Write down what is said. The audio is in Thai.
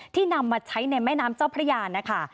นำมาใช้ในแม่น้ำเจ้าพระยานะคะ